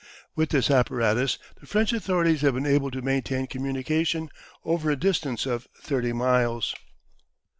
With this apparatus the French authorities have been able to maintain communication over a distance of 30 miles.